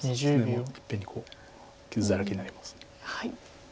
もういっぺんに傷だらけになります。